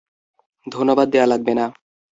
ধন্যবাদ দেয়া লাগবে না।